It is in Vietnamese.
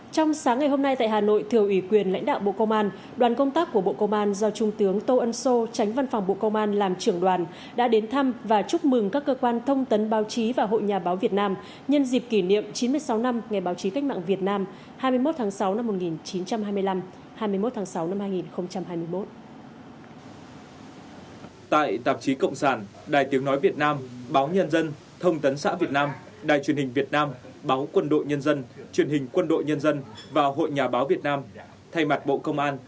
trong sáng ngày hôm nay tại hà nội thừa ủy quyền lãnh đạo bộ công an đoàn công tác của bộ công an do trung tướng tô ân sô tránh văn phòng bộ công an làm trưởng đoàn đã đến thăm và chúc mừng các cơ quan thông tấn báo chí và hội nhà báo việt nam nhân dịp kỷ niệm chín mươi sáu năm ngày báo chí cách mạng việt nam hai mươi một tháng sáu năm một nghìn chín trăm hai mươi năm hai mươi một tháng sáu năm hai nghìn hai mươi một